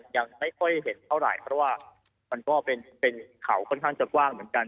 ยังไม่ค่อยเห็นเท่าไหร่เพราะว่ามันก็เป็นเขาค่อนข้างจะกว้างเหมือนกัน